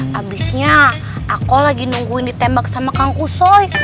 habisnya aku lagi nungguin ditembak sama kang usoy